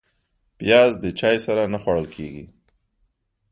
پیاز د چای سره نه خوړل کېږي